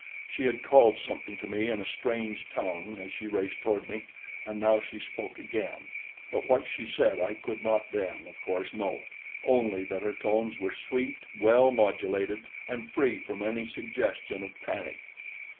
She had called something to me in a strange tongue as she raced toward me, and now she spoke again; but what she said I could not then, of course, know only that her tones were sweet, well modulated and free from any suggestion of panic.